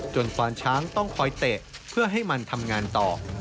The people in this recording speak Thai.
ควานช้างต้องคอยเตะเพื่อให้มันทำงานต่อ